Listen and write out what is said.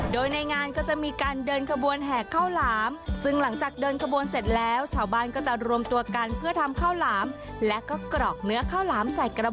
โดยในงานก็จะมีการเดินขบวนแหกข้าวหลาม